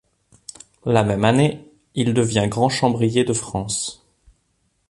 La même année, il devient grand chambrier de France.